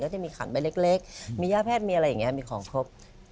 จะมีขันใบเล็กมีย่าแพทย์มีอะไรอย่างนี้มีของครบ